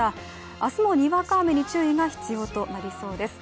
明日もにわか雨に注意が必要となりそうです。